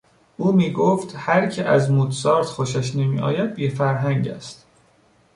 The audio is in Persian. او میگفت: هر که از موتسارت خوشش نمیآید بی فرهنگ است.